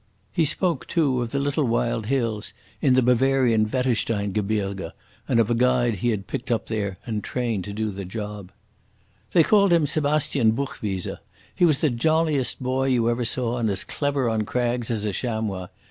He spoke, too, of the little wild hills in the Bavarian Wettersteingebirge, and of a guide he had picked up there and trained to the job. "They called him Sebastian Buchwieser. He was the jolliest boy you ever saw, and as clever on crags as a chamois.